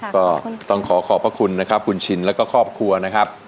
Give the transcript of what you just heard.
ก็ต้องขอขอบพระคุณนะครับคุณชินแล้วก็ครอบครัวนะครับ